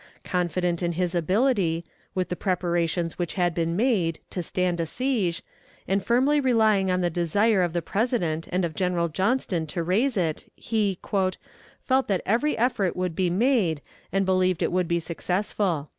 Confident in his ability, with the preparations which had been made, to stand a siege, and firmly relying on the desire of the President and of General Johnston to raise it, he "felt that every effort would be made, and believed it would be successful."